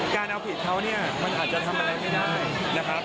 การเอาผิดเขาเนี่ยมันอาจจะทำอะไรไม่ได้นะครับ